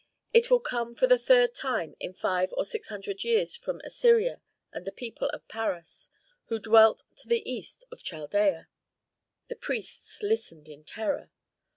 It will come for the third time in five or six hundred years from Assyria and the people of Paras, who dwell to the east of Chaldea." The priests listened in terror.